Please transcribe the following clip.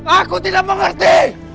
aku tidak mengerti